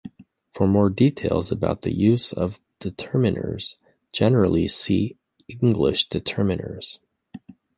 For more details about the use of determiners generally, see English determiners.